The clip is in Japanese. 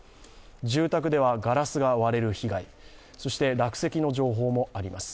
住宅ではガラスが割れる被害、そして落石の情報もあります。